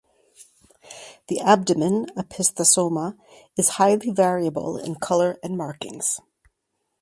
The abdomen (opisthosoma) is highly variable in colour and markings.